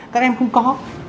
các em không có